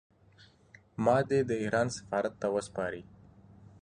ما دې د ایران سفارت ته وسپاري.